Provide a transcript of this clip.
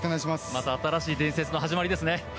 また新しい伝説の始まりですね。